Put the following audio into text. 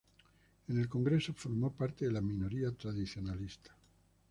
En el Congreso formó parte de la minoría tradicionalista.